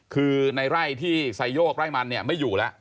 คือในไร่ที่ใส่โยกไร่มันไม่อยู่แล้ว